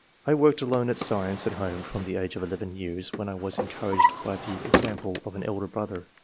I worked alone at science at home, from the age of 11 years, where I was encouraged by the example of an elder brother.